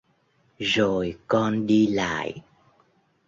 Rồi con đi lại